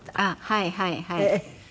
はいはいはい。